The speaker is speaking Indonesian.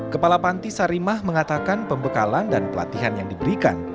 kepala panti sarimah mengatakan pembekalan dan pelatihan yang diberikan